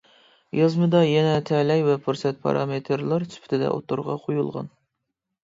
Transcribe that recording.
يازمىدا يەنە تەلەي ۋە پۇرسەت پارامېتىرلار سۈپىتىدە ئوتتۇرىغا قويۇلغان.